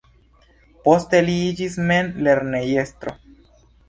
Poste li iĝis mem lernejestro.